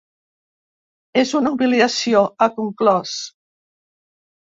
“És una humiliació”, ha conclòs.